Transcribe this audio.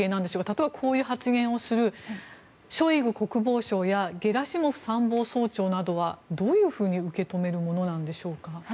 例えばこういう発言をするショイグ国防相やゲラシモフ参謀総長などはどう受け止めるものなんでしょうか。